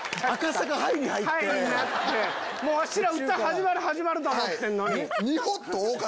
わしら歌始まる始まる！と思ってんのに。